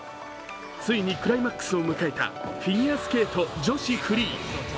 ついにクライマックスを迎えたフィギュアスケート女子フリー。